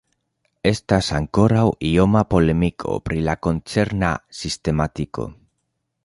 Estas ankoraŭ ioma polemiko pri la koncerna sistematiko.